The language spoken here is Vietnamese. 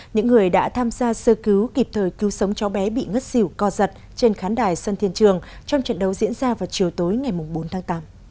những người đã tham gia sơ cứu kịp thời cứu sống cháu bé bị ngất xỉu co giật trên khán đài sân thiên trường trong trận đấu diễn ra vào chiều tối ngày bốn tháng tám